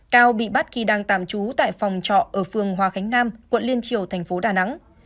cao bị bắt khi đang tạm trú tại phòng trọ ở phường hòa khánh nam quận liên triều thành phố đà nẵng